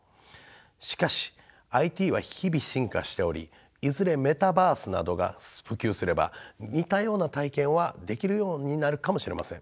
しかしＩＴは日々進化しておりいずれメタバースなどが普及すれば似たような体験はできるようになるかもしれません。